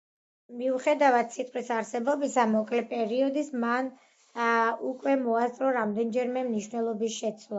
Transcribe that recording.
მიუხედავად სიტყვის არსებობის მოკლე პერიოდის, მან უკვე მოასწრო რამდენიმეჯერ მნიშვნელობის შეცვლა.